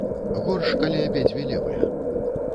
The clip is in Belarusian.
Горш, калі абедзве левыя.